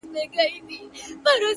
د جهاني غزل د شمعي په څېر ژبه لري؛